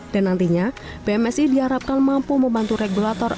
dan nantinya bmsi diharapkan mampu membantu regulator